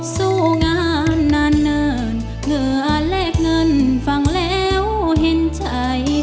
สู้งานนานเนิ่นเหลือเลขเงินฟังแล้วเห็นใจ